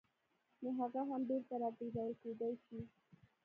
نو هغه هم بېرته راګرځول کېدای شي.